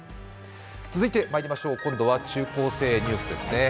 続いて、今度は「中高生ニュース」ですね。